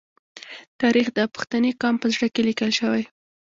تاریخ د پښتني قام په زړه کې لیکل شوی.